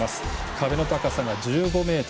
壁の高さは１５ｍ。